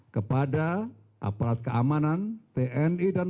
kepada aparat keamanan